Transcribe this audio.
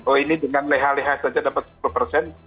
oh ini dengan leha leha saja dapat sepuluh akhirnya ada yang mencari dana